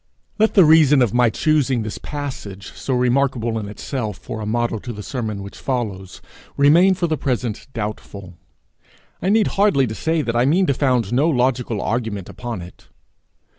Let the reason of my choosing this passage, so remarkable in itself, for a motto to the sermon which follows, remain for the present doubtful. I need hardly say that I mean to found no logical argument upon it.